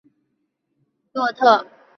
拉谢纳洛特。